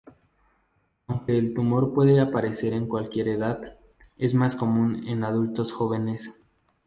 Aunque el tumor puede aparecer a cualquier edad, es más común en adultos jóvenes.